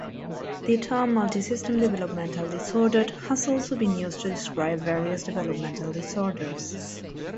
The term "multisystem developmental disorder" has also been used to describe various developmental disorders.